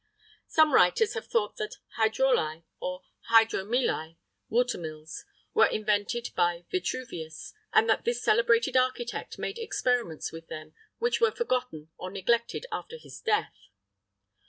[III 32] Some writers have thought that hydraulæ, or hydromilæ, watermills, were invented by Vitruvius, and that this celebrated architect made experiments with them, which were forgotten or neglected after his death.